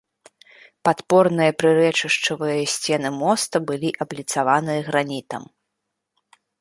Падпорныя прырэчышчавыя сцены моста былі абліцаваныя гранітам.